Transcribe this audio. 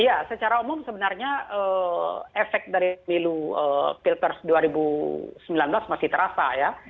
iya secara umum sebenarnya efek dari pilu pilpres dua ribu sembilan belas masih terasa ya